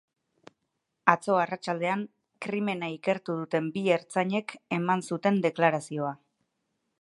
Atzo arratsaldean krimena ikertu duten bi ertzainek eman zuten deklarazioa.